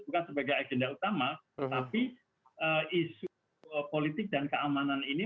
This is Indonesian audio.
bukan sebagai agenda utama tapi isu politik dan keamanan ini